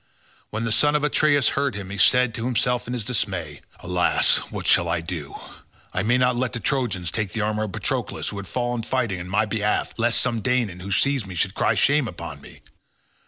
When the son of Atreus heard him, he said to himself in his dismay, "Alas! what shall I do? I may not let the Trojans take the armour of Patroclus who has fallen fighting on my behalf, lest some Danaan who sees me should cry shame upon me.